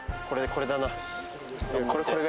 これこれだな。